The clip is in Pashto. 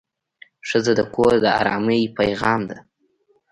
ښځه د کور د ارامۍ پېغام ده.